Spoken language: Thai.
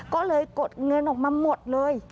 ก็เลยกดเงินออกมาหมดเลย